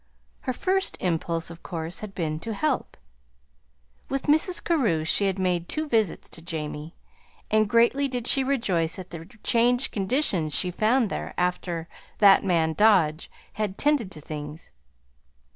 Her first impulse, of course, had been "to help." With Mrs. Carew she made two visits to Jamie, and greatly did she rejoice at the changed conditions she found there after "that man Dodge" had "tended to things."